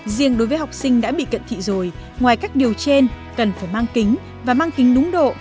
riêng đối với học sinh đã bị cận thị rồi ngoài cách điều trên cần phải mang kính và mang tính đúng độ